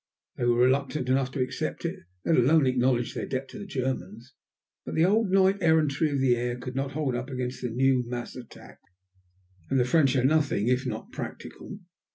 They were reluctant enough to accept it, let alone acknowledge their debt to the Germans. But the old knight errantry of the air could not hold up against the new mass attacks. And the French are nothing if not practical.